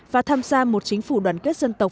và tham gia một chính phủ đoàn kết dân tộc